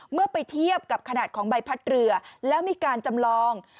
เมื่อไปเทียบกับขนาดของใบพัดเรือแล้วมีการจำลอง